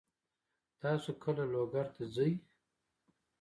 تاسو کله لوګر ته ځئ؟